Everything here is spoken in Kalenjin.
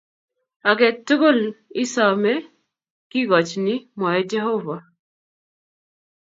Agei tugul isomei, Kigochin mwae Jehovah